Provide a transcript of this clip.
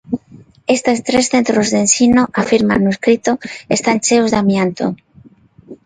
Estes tres centros de ensino, afirman no escrito, "están cheos de amianto".